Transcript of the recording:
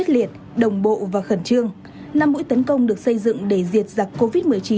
liệt đồng bộ và khẩn trương năm mũi tấn công được xây dựng để diệt giặc covid một mươi chín